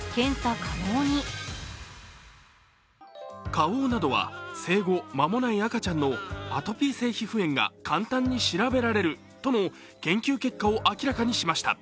花王などは、生後間もない赤ちゃんの、アトピー性皮膚炎が簡単に調べられるとの研究結果を明らかにしました。